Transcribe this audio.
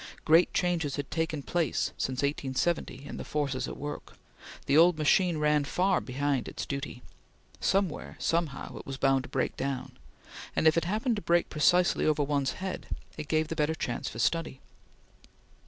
Great changes had taken place since 1870 in the forces at work; the old machine ran far behind its duty; somewhere somehow it was bound to break down, and if it happened to break precisely over one's head, it gave the better chance for study.